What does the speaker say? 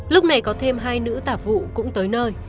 lúc này có thêm hai nữ tạp vụ cũng tới nơi